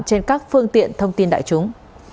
trên các phương tiện thông tin đại chúng